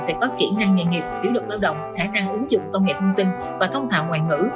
về các kỹ năng nghề nghiệp kỹ luật lao động khả năng ứng dụng công nghệ thông tin và thông thạo ngoại ngữ